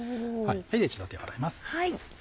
一度手を洗います。